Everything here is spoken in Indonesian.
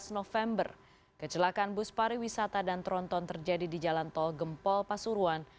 tujuh belas november kecelakaan bus pariwisata dan tronton terjadi di jalan tol gempol pasuruan